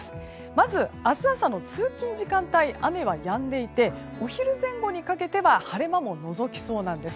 まず明日朝の通勤時間帯雨はやんでいてお昼前後にかけては晴れ間ものぞきそうなんです。